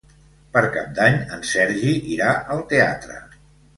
Per Cap d'Any en Sergi irà al teatre.